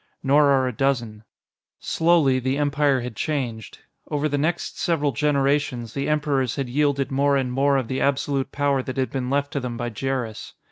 Nor are a dozen. Slowly, the Empire had changed. Over the next several generations, the Emperors had yielded more and more of the absolute power that had been left to them by Jerris.